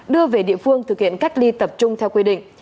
đưa về địa phương thực hiện cách ly tập trung theo quy định